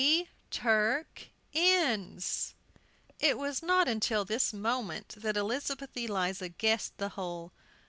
"P Turk Inns!" It was not until this moment that Elizabeth Eliza guessed the whole.